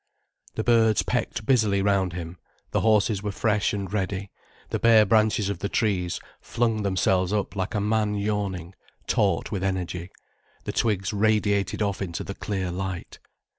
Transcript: The birds pecked busily round him, the horses were fresh and ready, the bare branches of the trees flung themselves up like a man yawning, taut with energy, the twigs radiated off into the clear light.